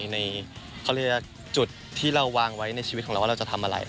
เขาเรียกจุดที่เราวางไว้ในชีวิตของเราว่าเราจะทำอะไร